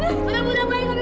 kamu tidak mau sembunyi iblis